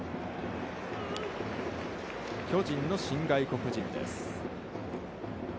巨人の新外国人です。